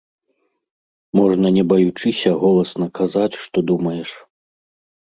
Можна не баючыся голасна казаць, што думаеш.